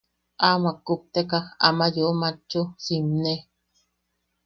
Amak kupteka, amak yeu matchu simne.